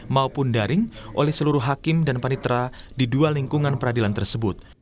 maupun daring oleh seluruh hakim dan panitera di dua lingkungan peradilan tersebut